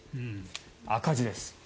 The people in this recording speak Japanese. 赤字です。